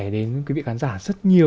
đến quý vị khán giả rất nhiều